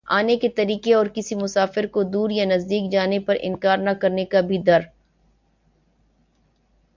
آنے کے طریقے اور کسی مسافر کودور یا نزدیک جانے پر انکار نہ کرنے کا بھی در